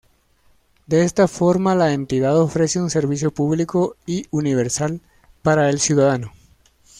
De esta forma, la entidad ofrece un servicio público y universal para el ciudadano.